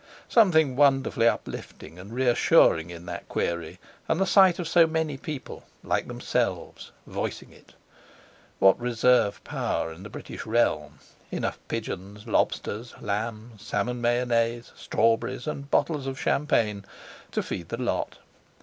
Something wonderfully uplifting and reassuring in that query and the sight of so many people like themselves voicing it! What reserve power in the British realm—enough pigeons, lobsters, lamb, salmon mayonnaise, strawberries, and bottles of champagne to feed the lot!